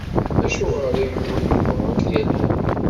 Acuɣer ay yugi Yuba ad k-yalel?